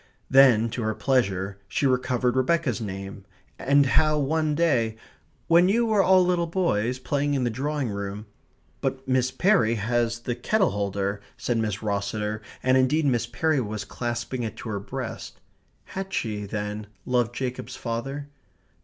Then to her pleasure she recovered Rebecca's name; and how one day "when you were all little boys, playing in the drawing room " "But Miss Perry has the kettle holder," said Miss Rosseter, and indeed Miss Perry was clasping it to her breast. (Had she, then, loved Jacob's father?)